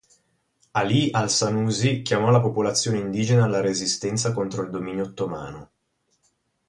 ʿAlī al-Sanūsī, chiamò la popolazione indigena alla resistenza contro il dominio ottomano.